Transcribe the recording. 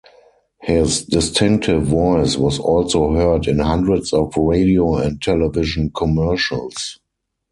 His distinctive voice was also heard in hundreds of radio and television commercials.